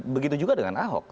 begitu juga dengan ahok